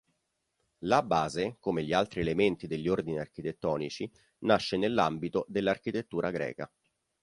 La base, come gli altri elementi degli ordini architettonici, nasce nell'ambito dell'architettura greca.